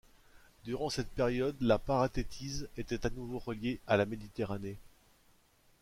Durant cette période la Paratéthys était à nouveau reliée à la Méditerranée.